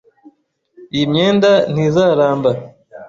Iyi myenda ntizaramba.